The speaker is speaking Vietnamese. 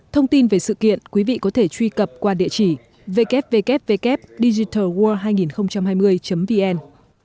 thông tin về sự kiện quý vị có thể truy cập qua địa chỉ www digitalworld hai nghìn hai mươi vn